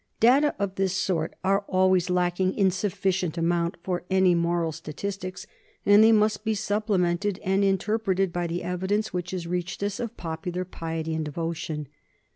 Data of this sort are always lacking in sufficient amount for any moral statistics, and they must be supplemented and interpreted by the evidence which has reached us of popular piety and devotion.